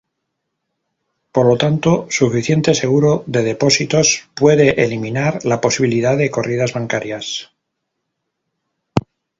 Por lo tanto, suficiente seguro de depósitos puede eliminar la posibilidad de corridas bancarias.